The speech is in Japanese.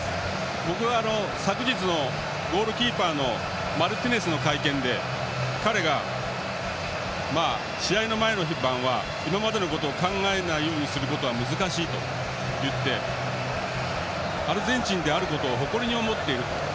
僕は昨日のゴールキーパーのマルティネスの会見で彼が、試合の前の晩は今までのことを考えないようにすることは難しいと言ってアルゼンチンであることを誇りに思っていると。